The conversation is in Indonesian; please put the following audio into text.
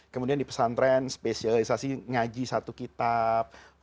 kemudian di pesantren spesialisasi ngaji satu kitab